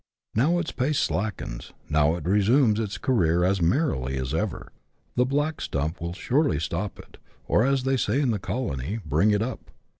Now its pace slackens, now it resumes its career as merrily as ever ; that black stump will surely stop it, or, as they say in the colony, " bring it up.